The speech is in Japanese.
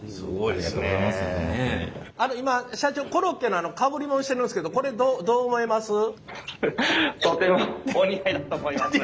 あの今社長コロッケのかぶりもんしてるんすけどこれどうどう思います？